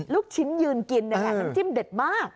ลูกชิ้นยืนกินนี่แหละน้ำจิ้มเด็ดมาก